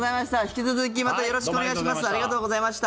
引き続きまたよろしくお願いします。